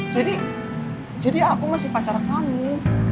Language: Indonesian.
jadi jadi aku masih pacar kamu